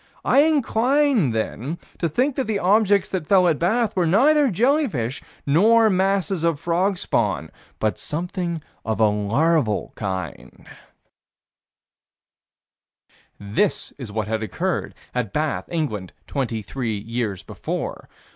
I incline, then, to think that the objects that fell at Bath were neither jellyfish nor masses of frog spawn, but something of a larval kind This is what had occurred at Bath, England, 23 years before.